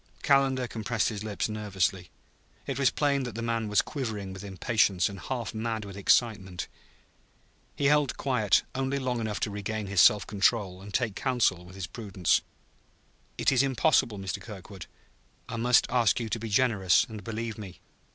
Calendar compressed his lips nervously. It was plain that the man was quivering with impatience and half mad with excitement. He held quiet only long enough to regain his self control and take counsel with his prudence. "It is impossible, Mr. Kirkwood. I must ask you to be generous and believe me."